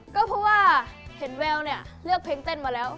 ก็เพราะว่าเห็นแววเนี่ยเลือกเพลงเต้นมาแล้ว